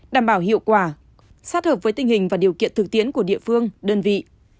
đảm bảo hiệu quả sát hợp với tình hình và điều kiện thực tiễn của địa phương đơn vị